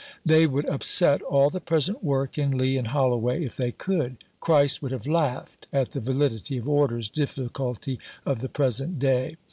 They would upset all the present work in Lea and Holloway if they could. Christ would have laughed at the "Validity of Orders" difficulty of the present day.